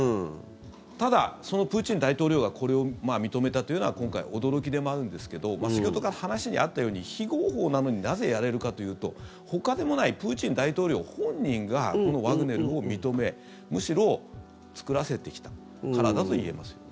ただ、そのプーチン大統領がこれを認めたというのは今回、驚きでもあるんですけど先ほどから話にあったように非合法なのになぜやれるかというとほかでもないプーチン大統領本人がこのワグネルを認めむしろ作らせてきたからだといえますよね。